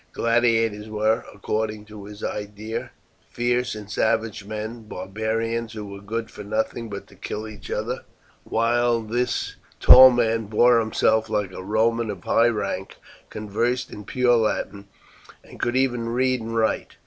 Gladiators were, according to his idea, fierce and savage men, barbarians who were good for nothing but to kill each other, while this tall man bore himself like a Roman of high rank, conversed in pure Latin, and could even read and write.